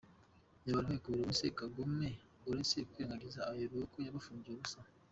Nabarekure ubundi se Kagome uretse kwirengagiza ayobewe ko yabafungiye ubusa?